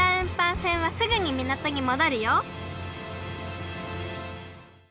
船はすぐにみなとにもどるよ